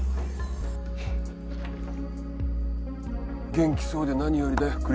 元気そうで何よりだよ